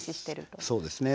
そうですね。